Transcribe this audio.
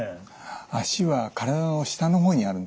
脚は体の下の方にあるんですね。